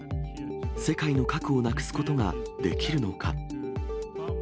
世界の核をなくすことができるのか。